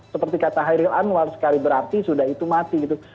seperti kata hairil anwar sekali berarti sudah itu mati gitu